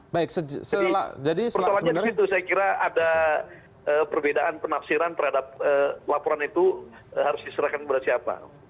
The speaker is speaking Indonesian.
baik jadi selanjutnya saya kira ada perbedaan penaksiran terhadap laporan itu harus diserahkan kepada siapa